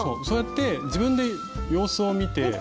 そうやって自分で様子を見て。